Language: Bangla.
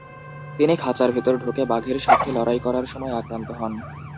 তিনি খাঁচার ভেতরে ঢুকে বাঘের সাথে লড়াই করার সময় আক্রান্ত হন।